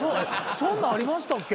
そんなんありましたっけ？